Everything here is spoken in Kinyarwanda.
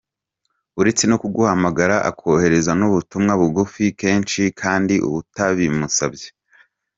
Uretse no kuguhamagara akoherereza n’ubutumwa bugufi kenshi kandi utabimusabye.